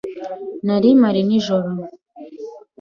Nari mpari nijoro.